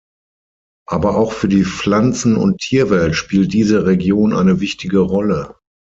Aber auch für die Pflanzen- und Tierwelt spielt diese Region eine wichtige Rolle.